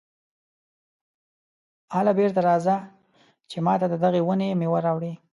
هله بېرته راځه چې ماته د دغې ونې مېوه راوړې.